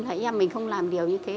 là nhà mình không làm điều như thế